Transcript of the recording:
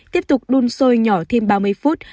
tiếp tục đun sôi nhỏ thêm ba mươi phút